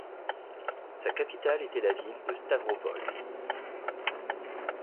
Sa capitale était la ville de Stavropol.